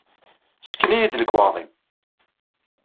Ssken-iyi-d lekwaɣeḍ-im!